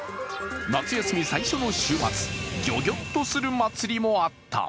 夏休み最初の週末、ギョギョッとする祭りもあった。